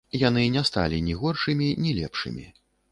Яны не сталі ні горшымі, ні лепшымі.